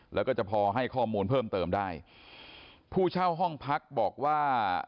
แล้วก็จะพอให้ข้อมูลเพิ่มเติมได้ผู้เช่าห้องพักบอกว่า